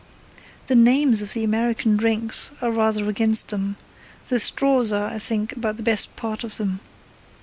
The names of the American drinks are rather against them, the straws are, I think, about the best part of them.